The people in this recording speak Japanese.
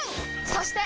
そして！